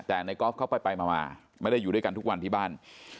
แต่ในกอล์ฟเขาไปมาไม่ได้อยู่ด้วยกันทุกวันที่บ้าน